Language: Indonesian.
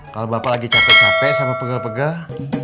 kalo bapak lagi capek capek sama pegel pegel